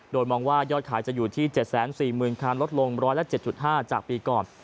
โดยมองว่ายอดขายจะอยู่ที่๗๔๐๐๐คันลดลง๑๐๗๕จากปีก่อน